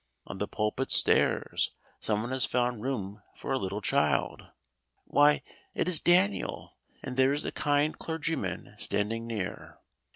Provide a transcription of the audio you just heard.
On the pulpit stairs some one has found room for a little child. Why, it is Daniel, and there is the kind clergyman standing near.